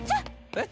えっ？